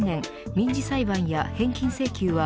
民事裁判や返金請求は